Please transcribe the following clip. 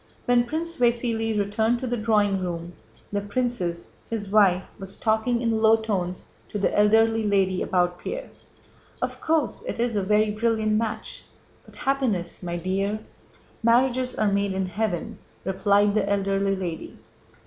When Prince Vasíli returned to the drawing room, the princess, his wife, was talking in low tones to the elderly lady about Pierre. "Of course, it is a very brilliant match, but happiness, my dear..." "Marriages are made in heaven," replied the elderly lady.